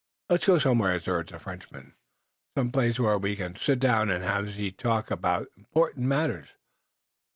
"Let us go somewhere," urged the Frenchman. "Some place were we can sit down and have ze talk about important matters.